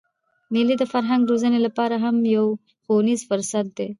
مېلې د فرهنګي روزني له پاره هم یو ښوونیز فرصت دئ.